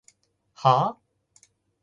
はぁ？